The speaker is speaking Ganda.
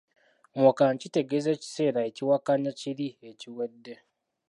Muwakanya kitegeeza ekiseera ekiwakanya kiri ekiwedde.